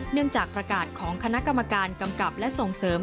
เนื่องจากประกาศของคณะกรรมการกำกับและส่งเสริม